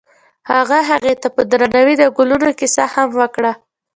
هغه هغې ته په درناوي د ګلونه کیسه هم وکړه.